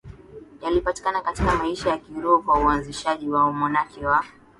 yalipatikana katika maisha ya Kiroho kwa uanzishaji wa umonaki wa